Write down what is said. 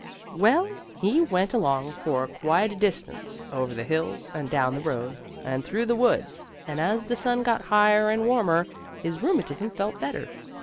Well, he went along for quite a distance, over the hills, and down the road, and through the woods, and, as the sun got higher and warmer, his rheumatism felt better.